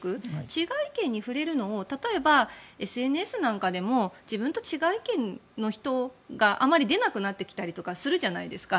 違う意見に触れるのを例えばＳＮＳなんかでも自分と違う意見の人があまり出なくなってきたりするじゃないですか。